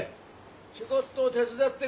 ちょこっと手伝ってくれ。